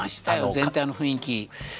全体の雰囲気。